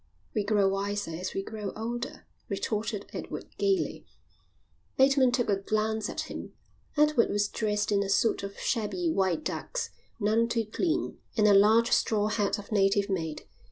"We grow wiser as we grow older," retorted Edward, gaily. Bateman took a glance at him. Edward was dressed in a suit of shabby white ducks, none too clean, and a large straw hat of native make.